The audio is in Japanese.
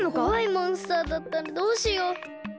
こわいモンスターだったらどうしよう。